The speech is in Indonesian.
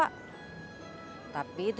kapan pega kita